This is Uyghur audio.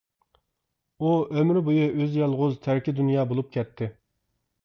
ئۇ ئۆمرى بويى ئۆزى يالغۇز تەركىدۇنيا بولۇپ كەتتى.